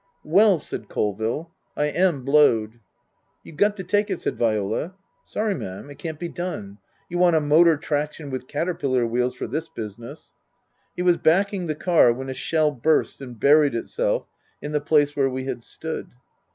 V Well" said Colville, " I am blowed." " You've got to take it/' said Viola. " Sorry, m'm. It can't be done. You want a motor traction with caterpillar wheels for this business." He was backing the car when a shell burst and buried itself in the place where we had stood.